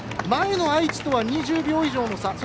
前の愛知とは２０秒以上の差。